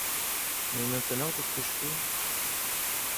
Et maintenant, qu’est-ce que je fais?